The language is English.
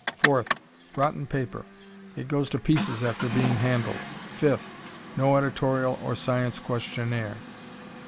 Fourth, rotten paper it goes to pieces after being handled. Fifth, no editorial or science questionnaire.